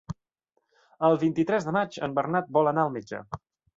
El vint-i-tres de maig en Bernat vol anar al metge.